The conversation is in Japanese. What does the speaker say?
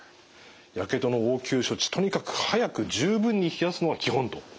やけどの応急処置とにかく早く十分に冷やすのが基本ということですね。